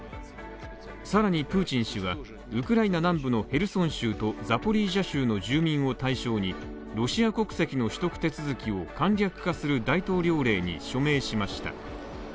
さらにプーチン氏はウクライナ南部のヘルソン州とザポリージャ州の住民を対象に、ロシア国籍の取得手続きを簡略化する大統領令に署名しました。